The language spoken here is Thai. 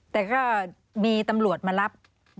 แต่ก็มีตำรวจมารับ